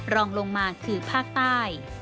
รองลงมาคือภาคใต้